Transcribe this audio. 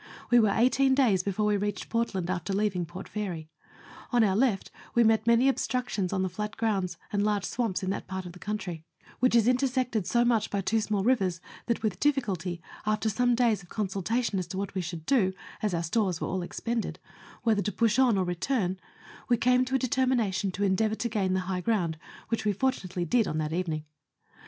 We were eighteen days before we reached Portland after leaving Port Fairy. On our left we met many obstructions on the flat grounds and large swamps in that part of the country, which is intersected so much by two small rivers, that with difficulty, after some days of consultation as to what we should do (as our stores were all expended) whether to push on or return, we came to a determination to endeavour to gain the high ground, which we fortunately did on that evening.